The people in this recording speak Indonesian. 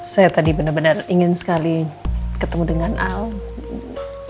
saya tadi benar benar ingin sekali ketemu dengan al